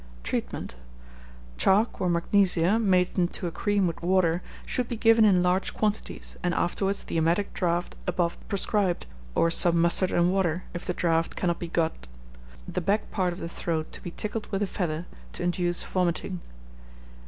Treatment. Chalk or magnesia, made into a cream with water, should be given in large quantities, and afterwards the emetic draught above prescribed, or some mustard and water, if the draught cannot be got. The back part of the throat to be tickled with a feather, to induce vomiting.